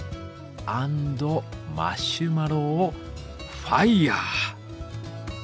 アンドマシュマロをファイアー！